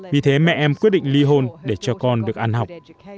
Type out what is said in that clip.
vì thế mẹ em quyết định ly hôn để cho con được ăn học